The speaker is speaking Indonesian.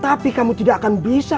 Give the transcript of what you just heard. tapi kamu tidak akan bisa